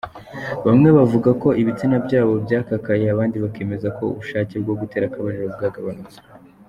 Bamwe bavuga ko ibitsina byabo byakakaye abandi bakemeza ko ubushake bwo gutera akabariro bwagabanutse.